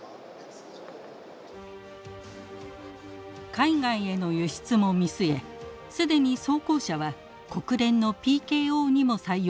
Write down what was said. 海外への輸出も見据え既に装甲車は国連のＰＫＯにも採用されています。